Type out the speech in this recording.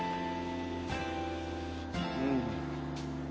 うん。